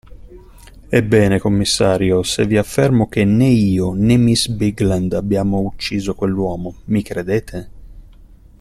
Ebbene, commissario, se vi affermo che né io, né miss Bigland abbiamo ucciso quell'uomo, mi credete?